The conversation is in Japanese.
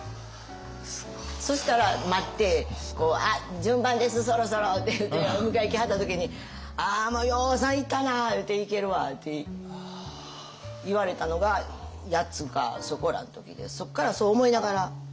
そしたら待って「あっ順番ですそろそろ」って言うてお迎え来はった時に「ああもうようさん行ったな言うて逝けるわ」って言われたのが８つかそこらの時でそっからそう思いながら。